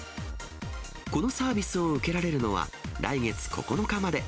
このサービスを受けられるのは、来月９日まで。